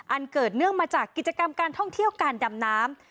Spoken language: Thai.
อันเกิดเนื่องมาจากกิจกรรมการท่องเที่ยวการดำน้ำ